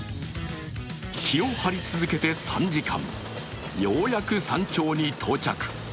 気を張り続けて３時間、ようやく山頂に到着。